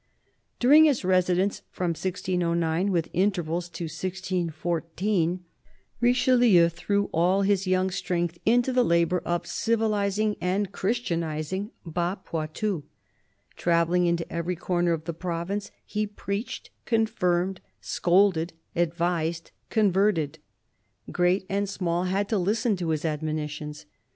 During his residence, from 1609, with intervals, to 1614, Richelieu threw all his young strength 'nto the labour of civilising and christianising Bas Poitou. Travelling into every corner of the province, he preached, confirmed, scolded, advised, converted. Great and small had to listen to his admonitions.